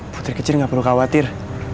putri kecil gak perlu khawatir